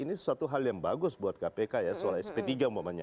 ini sesuatu hal yang bagus buat kpk ya soal sp tiga umpamanya